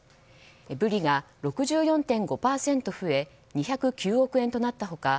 ブリが６４．５％増え２０９億円となった他